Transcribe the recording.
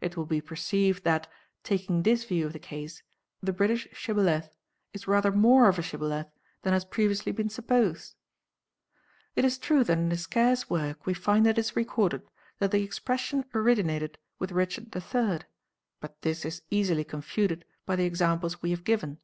It will be perceived that, taking this view of the case, the British shibboleth is rather more of a shibboleth than has previously been supposed. It is true that in a scarce work we find it is recorded that the expression originated with Richard III., but this is easily confuted by the examples we have given.